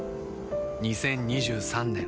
２０２３年